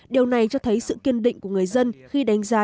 điều này cho thấy sự kiên định của người dân khi đánh giá